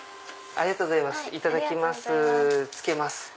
ありがとうございます。